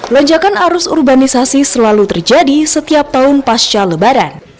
lonjakan arus urbanisasi selalu terjadi setiap tahun pasca lebaran